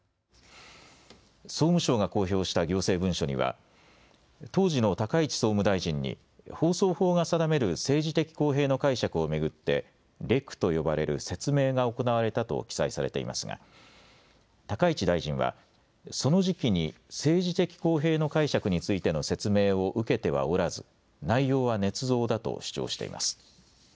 総務省が公表した行政文書には当時の高市総務大臣に放送法が定める政治的公平の解釈を巡ってレクと呼ばれる説明が行われたと記載されていますが高市大臣はその時期に政治的公平の解釈についての説明を受けてはおらず内容はねつ造だと主張しています。